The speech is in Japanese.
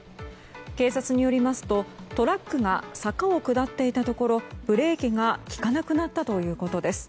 警察によりますとトラックが坂を下っていたところブレーキが利かなくなったということです。